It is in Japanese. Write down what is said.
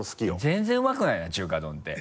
全然うまくないよな中華丼って。